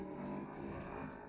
kabur lagi kejar kejar kejar